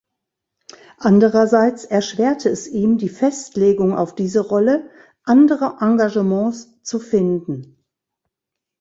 Andererseits erschwerte es ihm die Festlegung auf diese Rolle, andere Engagements zu finden.